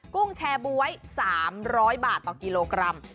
กุ้งแชร์บ๊วย๓๐๐บาทต่อกิโลกรัม